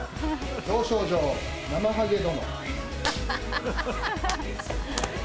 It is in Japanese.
表彰状、ナマハゲ殿。